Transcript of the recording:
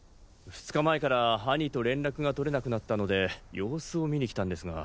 ２日前から兄と連絡が取れなくなったので様子を見に来たんですが。